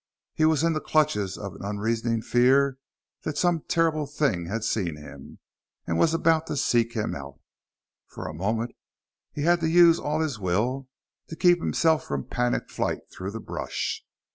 He was in the clutches of an unreasoning fear that some terrible Thing had seen him, and was about to seek him out. For a moment he had to use all his will to keep himself from panic flight through the brush.